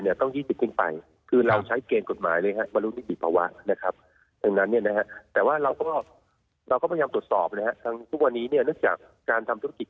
ให้ยื่นต้องยืนที่สุดไปคือเราใช้เกณฑ์กฎหมายเรียกฮะมารุนิกจิตประหวะนะครับ